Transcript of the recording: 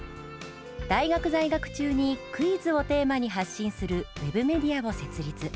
大学在学中にクイズをテーマに発信するウェブメディアを設立。